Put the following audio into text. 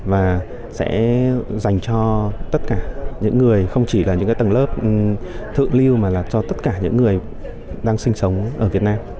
và sẽ dành cho tất cả những người không chỉ là những cái tầng lớp thượng lưu mà là cho tất cả những người đang sinh sống ở việt nam